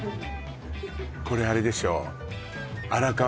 これあれでしょ？